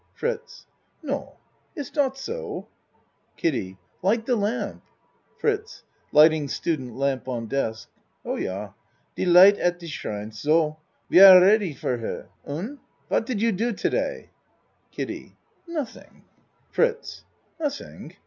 FRITZ No, iss dot so? KIDDIE Light the lamp. FRITZ (Lighting student lamp on desk.) Oh, yah. De light at de shrine. So. We are ready for her. Un? Wat did you do to day? KIDDIE Nothing. FRITZ Nothing?